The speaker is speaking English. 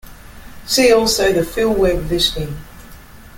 See also the 'Philweb' listing.